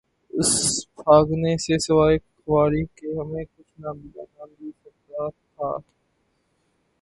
اس بھاگنے سے سوائے خواری کے ہمیں کچھ نہ ملا... نہ مل سکتاتھا۔